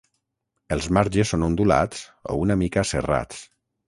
Els marges són ondulats o una mica serrats.